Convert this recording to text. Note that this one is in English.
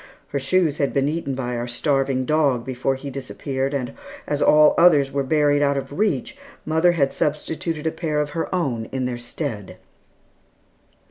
Her shoes had been eaten by our starving dog before he disappeared, and as all others were buried out of reach, mother had substituted a pair of her own in their stead.